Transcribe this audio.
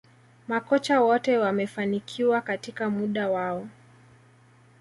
Makocha wote wamefanikiwa katika muda wao